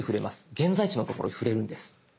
現在地の所に触れるんです。